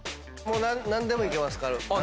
何でもいけますから。